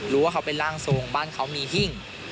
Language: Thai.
รู้ว่าเขาเป็นร่างทรงบ้านเขามีหิ้ง